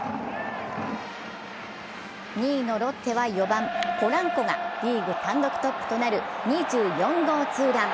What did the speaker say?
２位のロッテは４番・ポランコがリーグ単独トップとなる２４号ツーラン。